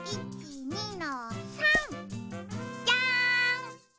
１２の３。じゃん。